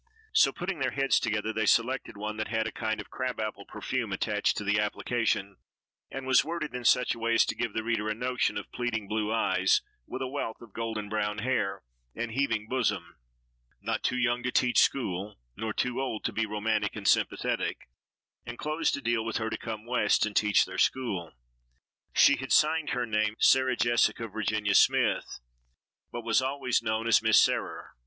So putting their heads together they selected one that had a kind of crab apple perfume attached to the application, and was worded in such way as to give the reader a notion of pleading blue eyes, with a wealth of golden brown hair and heaving bosom, not too young to teach school nor too old to be romantic and sympathetic, and closed a deal with her to come West and teach their school. She had signed her name Sarah Jessica Virginia Smythe, but was always known as Miss Sarer.